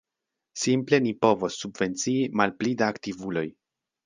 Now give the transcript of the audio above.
Simple ni povos subvencii malpli da aktivuloj.